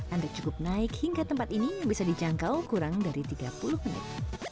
anda cukup naik hingga tempat ini yang bisa dijangkau kurang dari tiga puluh menit